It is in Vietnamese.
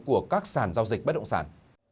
của các sản giao dịch bất động sản